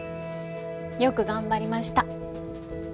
よく頑張りました。